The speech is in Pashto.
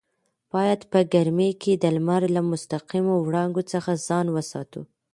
باید په ګرمۍ کې د لمر له مستقیمو وړانګو څخه ځان وساتو.